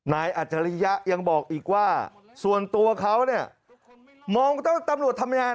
นายอัชยะยังบอกอีกว่าส่วนตัวเขาเนี่ยมองต้องตำรวจทำงาน